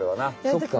そっか。